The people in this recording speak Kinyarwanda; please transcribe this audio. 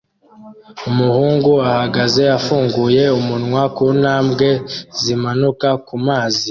Umuhungu ahagaze afunguye umunwa kuntambwe zimanuka kumazi